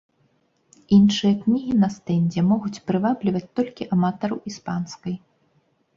Іншыя кнігі на стэндзе могуць прывабліваць толькі аматараў іспанскай.